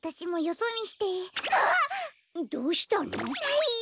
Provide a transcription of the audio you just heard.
どうしたの？